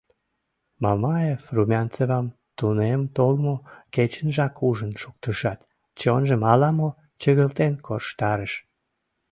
Мамаев Румянцевам тунем толмо кечынжак ужын шуктышат, чонжым ала-мо чыгылтен корштарыш.